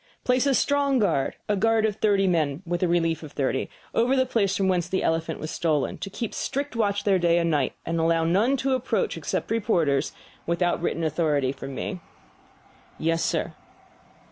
"Place a strong guard A guard of thirty picked men, with a relief of thirty over the place from whence the elephant was stolen, to keep strict watch there night and day, and allow none to approach except reporters without written authority from me." "Yes, sir."